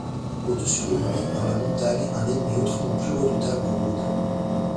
Au-dessus de lui, dans la montagne, un ennemi autrement plus redoutable rôde...